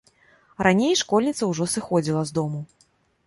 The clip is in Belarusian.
Раней школьніца ўжо сыходзіла з дому.